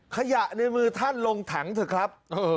ขยะในมือท่านลงถังเถอะครับ